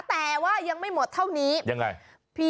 แต่ว่ายังไม่หมดเท่านี้ยังไง